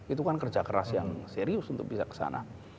itu kan kerja keras yang serius untuk bisa kesana